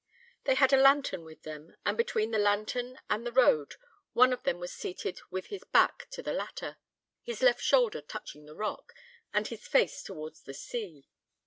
They had a lantern with them; and between the lantern and the road one of them was seated with his back to the latter, his left shoulder touching the rock, and his face towards the sea.